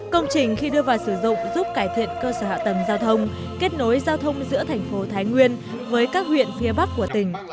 công trình khi đưa vào sử dụng giúp cải thiện cơ sở hạ tầng giao thông kết nối giao thông giữa thành phố thái nguyên với các huyện phía bắc của tỉnh